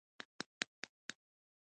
منډه د غفلت ضد ده